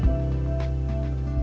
digeraknya mentang mentang tentara